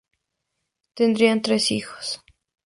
Tendrían tres hijos.